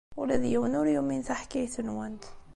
Ula d yiwen ur yumin taḥkayt-nwent.